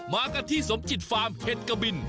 มากันที่สมจิตฟาร์มเห็ดกะบิน